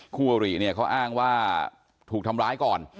คู่อริเนี่ยเขาอ้างว่าถูกทำร้ายก่อน